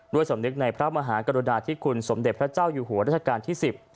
สำนึกในพระมหากรุณาธิคุณสมเด็จพระเจ้าอยู่หัวราชการที่๑๐